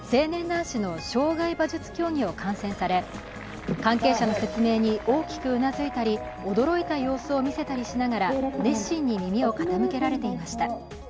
男子の障害馬術競技を観戦され、関係者の説明に大きくうなずいたり、驚いた様子を見せたりしながら熱心に耳を傾けられていました。